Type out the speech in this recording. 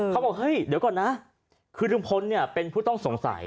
เขาบอกเฮ้ยเดี๋ยวก่อนนะคือลุงพลเนี่ยเป็นผู้ต้องสงสัย